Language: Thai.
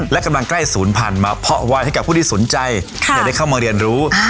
และกำลังใกล้ศูนย์พันธุ์มาเพาะไหว้ให้กับผู้ที่สนใจได้เข้ามาเรียนรู้